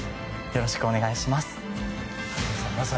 よろしくお願いします。